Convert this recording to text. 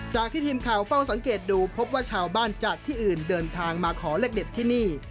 จากที่ทีมข่าวเฝ้าสังเกตดูพบว่าชาวบ้านจากที่อื่นเดินทางมาขอเลขเด็ดที่นี่